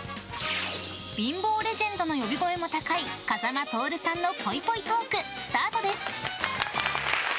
貧乏レジェンドの呼び声も高い風間トオルさんのぽいぽいトーク、スタートです。